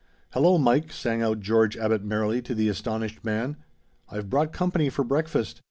"Hullo, Mike," sang out George Abbot merrily to the astonished man. "I've brought company for breakfast.